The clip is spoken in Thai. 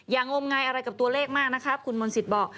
อย่างอมไงอะไรกับตัวเลขมากนะครับคุณมณฑิตบอก